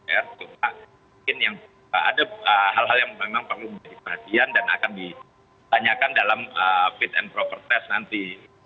ya mungkin yang ada hal hal yang memang perlu diperhatikan dan akan ditanyakan dalam fit and propertas nanti